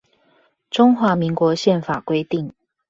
中華民國憲法規定